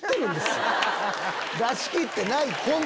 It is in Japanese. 出し切ってないって！